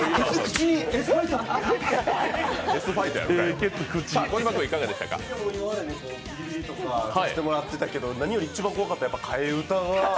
ビリビリとかさせてもらったけど、何より一番怖かったのは替え歌が。